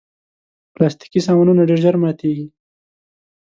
پلاستيکي سامانونه ډېر ژر ماتیږي.